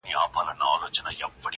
لر او بر دي د یار کوز او پاس باڼه شي